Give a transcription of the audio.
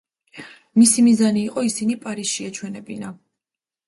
მისი მიზანი იყო ისინი პარიზში ეჩვენებინა.